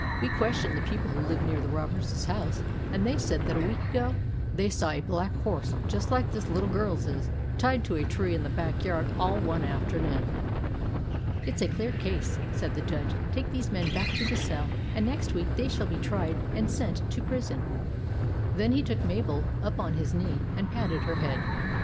11 We questioned the people who live near the robbers' house, and they said that a week ago they saw a black horse, just like this little girl's, tied to a tree in the back yard all one afternoon." " It 's a clear case," said the Judge. " Take these men back to the cell, and next week they shall be tried and sent to prison." REX PLAYS POLICEMAN 17 Then he took Mabel, up on his knee and patted her head.